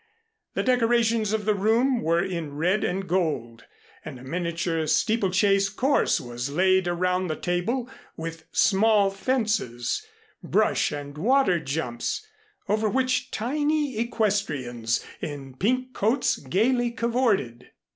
The decorations of the room were in red and gold, and a miniature steeplechase course was laid around the table with small fences, brush and water jumps, over which tiny equestrians in pink coats gayly cavorted.